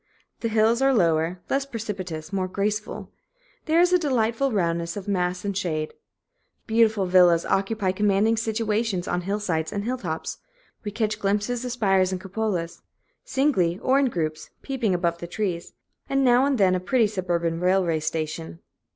The hills are lower, less precipitous, more graceful. There is a delightful roundness of mass and shade. Beautiful villas occupy commanding situations on hillsides and hilltops; we catch glimpses of spires and cupolas, singly or in groups, peeping above the trees; and now and then a pretty suburban railway station.